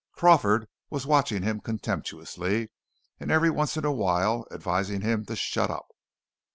Crawford was watching him contemptuously and every once in a while advising him to "shut up!"